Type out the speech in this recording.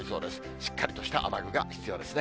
しっかりとした雨具が必要ですね。